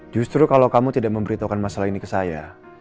justru kalau kamu tidak memberitahukan masalah ini ke saya